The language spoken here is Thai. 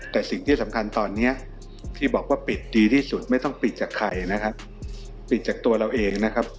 แต่สิ่งที่สำคัญตอนนี้ที่บอกว่าปิดดีที่สุดไม่ต้องปิดจากใครของตัวเราเอง